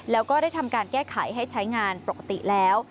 แล้วก็ได้ทำการแก้ไขให้ใช้งานปกติแล้ว